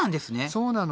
そうなの。